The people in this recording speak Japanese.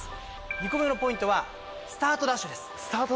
「２個目のポイントはスタートダッシュです」